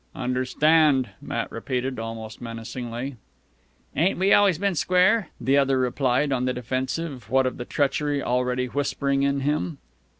"Understand!" Matt repeated, almost menacingly. "Ain't we always been square?" the other replied, on the defensive, what of the treachery already whispering in him.